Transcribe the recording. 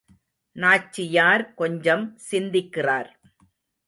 நாச்சியார் கொஞ்சம் சிந்திக்கிறார்.